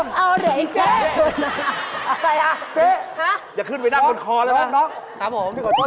ไม่ใช่ไม่ใช่เจ้าของร้าน